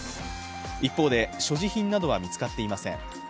一方で、所持品などは見つかっていません。